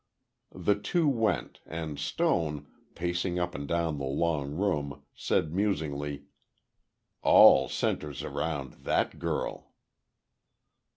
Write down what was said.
The two went, and Stone, pacing up and down the long room said musingly, "All centers round that girl."